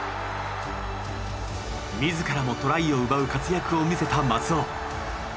自らもトライを奪う活躍を見せた松尾。